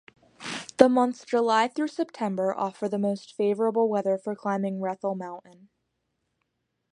The months July through September offer the most favorable weather for climbing Rethel Mountain.